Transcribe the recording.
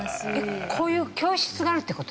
こういう教室があるって事ですか？